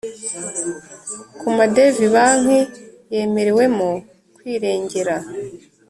Ku madevize banki yemerewemo kwirengera